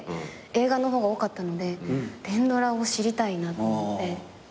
映画の方が多かったので連ドラを知りたいなと思って。